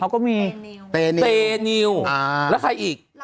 เขาก็มีเตนิวแล้วใครอีก